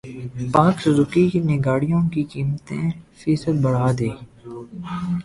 پاک سوزوکی نے گاڑیوں کی قیمتیں فیصد بڑھا دیں